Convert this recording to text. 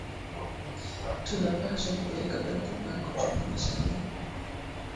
Tuna pashwa kupeleka bantu baku chunga mashamba